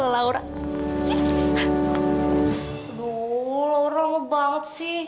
aduh laura sangat menggembangkan